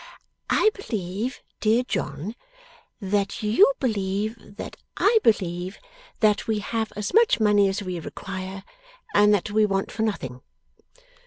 I believe, dear John, that you believe that I believe that we have as much money as we require, and that we want for nothing.